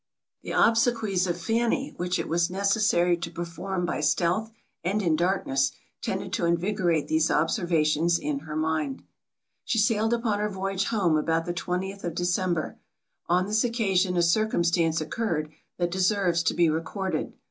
The obsequies of Fanny, which it was necessary to perform by stealth and in darkness, tended to invigorate these observations in her mind. She sailed upon her voyage home about the twentieth of December. On this occasion a circumstance occurred, that deserves to be recorded.